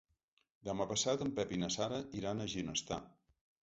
Demà passat en Pep i na Sara iran a Ginestar.